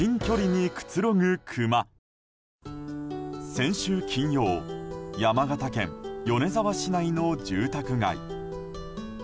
先週金曜山形県米沢市内の住宅街。